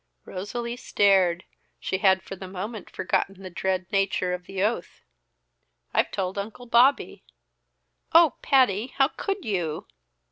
Rosalie stared; she had for the moment forgotten the dread nature of the oath. "I've told Uncle Bobby." "Oh, Patty! How could you?"